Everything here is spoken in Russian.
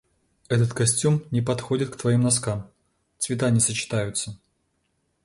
Этот костюм не подходит к твоим носкам. Цвета не сочетаются.